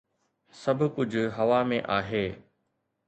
سڀ ڪجهه هوا ۾ آهي.